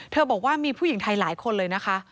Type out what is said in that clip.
บอกว่ามีผู้หญิงไทยหลายคนเลยนะคะ